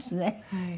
はい。